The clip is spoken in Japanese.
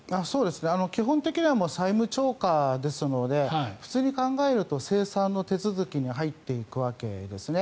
基本的には債務超過ですので普通に考えると清算の手続きに入っていくわけですね。